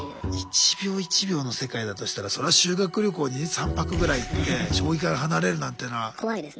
一秒一秒の世界だとしたらそりゃ修学旅行に３泊ぐらい行って将棋から離れるなんていうのは。